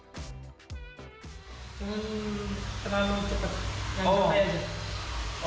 dengan terlalu cepat